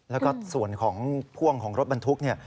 แล้วก็ส่วนของพ่วงของรถบรรทุกเนี่ย